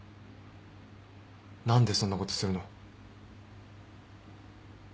何でそんなことするの？